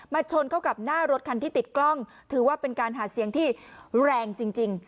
ชนเข้ากับหน้ารถคันที่ติดกล้องถือว่าเป็นการหาเสียงที่แรงจริง